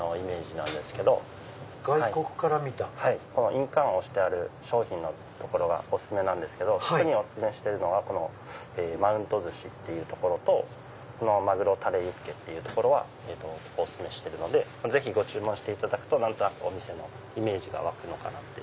印鑑を押してある商品の所がお薦めなんですけど特にお薦めしてるのはこのマウント寿司とマグロタレユッケはお薦めしてるのでご注文していただくと何となくお店のイメージが湧くのかなって。